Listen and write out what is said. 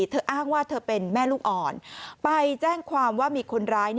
อ้างว่าเธอเป็นแม่ลูกอ่อนไปแจ้งความว่ามีคนร้าย